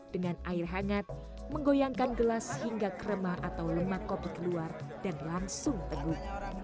dengan air hangat menggoyangkan gelas hingga krema atau lemak kopi keluar dan langsung teguh